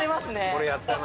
これやったな。